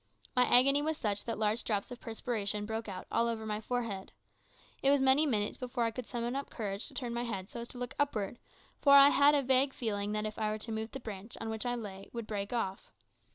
My agony was such that large drops of perspiration broke out all over my forehead. It was many minutes before I could summon up courage to turn my head so as to look upward, for I had a vague feeling that if I were to move the branch on which I lay would break off.